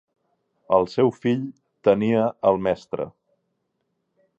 El seu fill tenia el mestre.